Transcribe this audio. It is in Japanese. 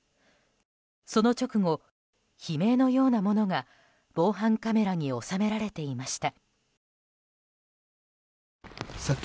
その直後、悲鳴のようなものが防犯カメラに収められていました。